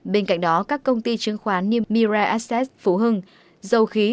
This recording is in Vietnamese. bên cạnh đó các công ty chứng khoán như mirai assets phú hưng dầu khí